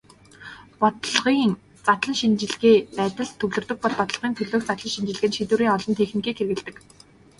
Бодлогын задлан шинжилгээ байдалд төвлөрдөг бол бодлогын төлөөх задлан шинжилгээнд шийдвэрийн олон техникийг хэрэглэдэг.